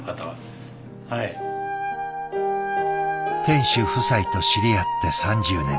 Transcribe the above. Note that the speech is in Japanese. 店主夫妻と知り合って３０年。